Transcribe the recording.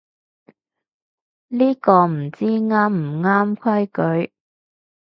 呢個唔知啱唔啱規矩